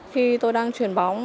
khi tôi đang chuyển bóng